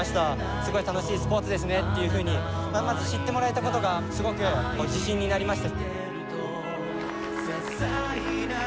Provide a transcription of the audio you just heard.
すごい楽しいスポーツですねっていうふうにまず知ってもらえたことがすごく自信になりました。